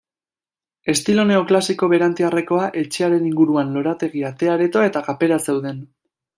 Estilo neoklasiko berantiarrekoa, etxearen inguruan, lorategia, te-aretoa eta kapera zeuden.